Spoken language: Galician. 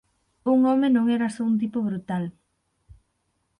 Un home non era só un tipo brutal;